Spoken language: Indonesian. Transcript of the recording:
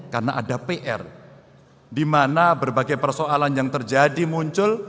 karena ada pr di mana berbagai persoalan yang terjadi muncul